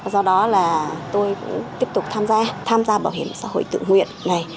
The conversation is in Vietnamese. do đó là tôi cũng tiếp tục tham gia tham gia bảo hiểm xã hội tự nguyện này